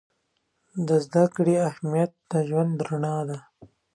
د زده کړې اهمیت د ژوند رڼا ده.